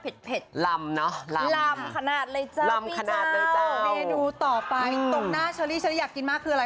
เผ็ดหมันลำนะลำขนาดเลยเจ้าพี่เจ้าเพื่อนุต่อไปต่อหน้าเช้าดีต้นอยากกินมากคืออะไร